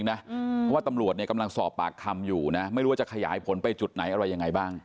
เพราะว่าตำรวจกำลังสอบปากคำอยู่นะไม่รู้ว่าจะขยายผลไปจุดไหนอะไรยังไงบ้าง